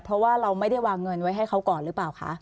เพราะว่าเราไม่ได้วางเงินไว้ให้เขาก่อนหรือเปล่าคะ